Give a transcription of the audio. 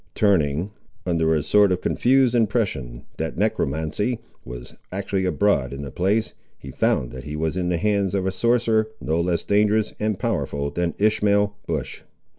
Turning, under a sort of confused impression that necromancy was actually abroad in the place, he found that he was in the hands of a sorcerer no less dangerous and powerful than Ishmael Bush.